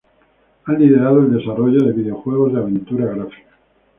Han liderado el desarrollo de videojuegos de aventura gráfica.